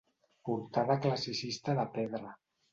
Portada classicista de pedra.